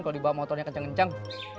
kalo dibawa motornya kenceng kenceng